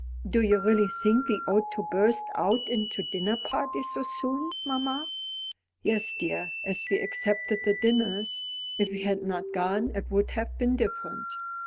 "Do you really think we ought to burst out into dinner parties so soon, mamma?" "Yes, dear, as we accepted the dinners. If we had not gone it would have been different."